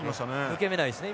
抜け目ないですね。